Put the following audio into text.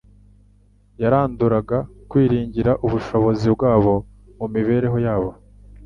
Yaranduraga kwiringira ubushobozi bwabo mu mibereho yabo,